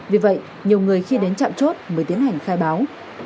vì vậy nhiều người khi đến trạm chốt mới tiến hành khai báo